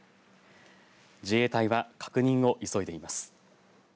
自衛隊は確認を急いでいます。